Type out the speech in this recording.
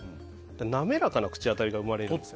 滑らかな口当たりが生まれる。